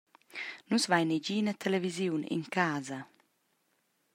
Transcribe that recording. Nus vein negina televisiun en casa.